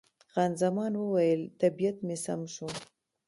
خان زمان وویل، طبیعت مې سم شو.